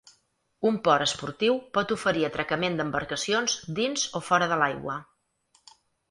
Un port esportiu pot oferir atracament d'embarcacions dins o fora de l'aigua.